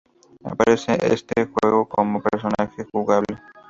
Aparece en este juego como personaje jugable.